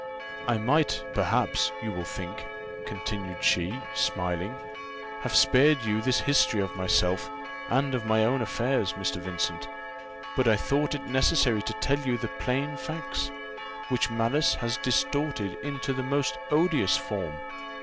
"I might, perhaps, you will think," continued she, smiling, "have spared you this history of myself, and of my own affairs, Mr. Vincent; but I thought it necessary to tell you the plain facts, which malice has distorted into the most odious form.